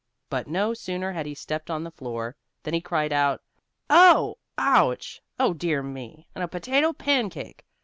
But, no sooner had he stepped on the floor, than he cried out: "Oh! Ouch! Oh, dear me and a potato pancake!